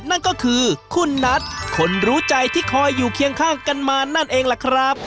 นั่นก็คือคุณนัทคนรู้ใจที่คอยอยู่เคียงข้างกันมานั่นเองล่ะครับ